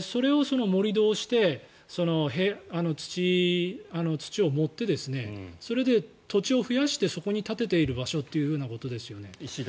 それを盛り土をして土を盛ってそれで土地を増やしてそこに立てている場所ということですよね。